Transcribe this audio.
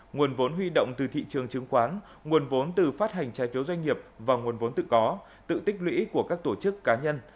nguồn vốn huy động từ thị trường chứng khoán nguồn vốn từ phát hành trái phiếu doanh nghiệp và nguồn vốn tự có tự tích lũy của các tổ chức cá nhân